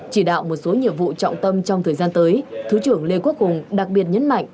chỉ đạo một số nhiệm vụ trọng tâm trong thời gian tới thứ trưởng lê quốc hùng đặc biệt nhấn mạnh